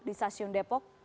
di stasiun depok